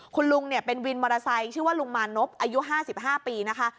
คุณลุงเป็นวินมอเตอร์ไซค์ชื่อว่าลุงมานพอายุ๕๕ปีนะคะ